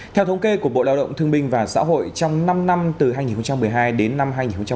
theo thống kê của bộ lao động thương minh và xã hội trong năm năm từ hai nghìn một mươi hai đến năm hai nghìn một mươi tám